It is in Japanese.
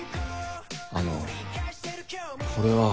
あのこれは。